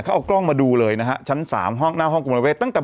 เขาเอากล้องมาดูเลยนะฮะชั้น๓ห้องหน้าห้องกุมารเวศตั้งแต่